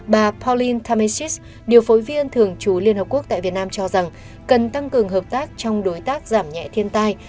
bà pauline tamesis điều phối viên thường trú liên hợp quốc tại việt nam cho rằng cần tăng cường hợp tác trong đối tác giảm nhẹ thiên tai